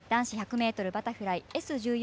男子１００ｍバタフライＳ１４